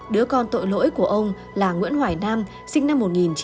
đứa con tội lỗi của ông là nguyễn hoài nam sinh năm một nghìn chín trăm chín mươi bốn